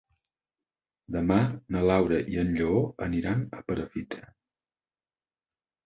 Demà na Laura i en Lleó aniran a Perafita.